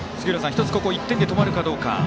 一つここ、１点で止まるかどうか。